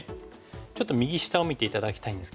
ちょっと右下を見て頂きたいんですけども。